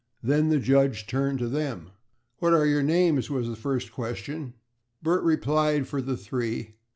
Then the judge turned to them "What are your names?" was the first question. Bert replied for the three.